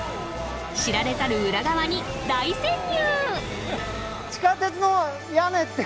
知られざる裏側に大潜入！